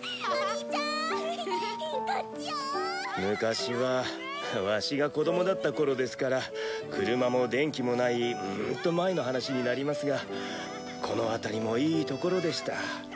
昔はワシが子供だった頃ですから車も電気もないうーんと前の話になりますがこの辺りもいい所でした。